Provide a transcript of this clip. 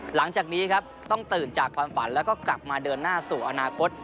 หลังจากนี้ครับต้องตื่นจากความฝันแล้วก็กลับมาเดินหน้าสู่อนาคต